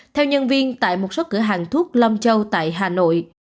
theo nhân viên tại một số cửa hàng thuốc lâm châu tại hà nội